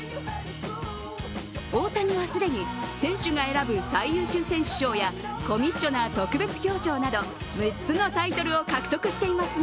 大谷は既に選手が選ぶ最優秀選手賞やコミッショナー特別表彰など６つのタイトルを獲得していますが